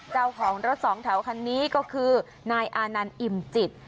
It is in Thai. เจ้าของรถสองแถวคันนี้ก็คือนายอานันต์อิ่มจิต